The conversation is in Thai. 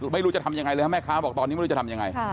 ไม่รู้จะทำยังไงเลยครับแม่ค้าบอกตอนนี้ไม่รู้จะทำยังไง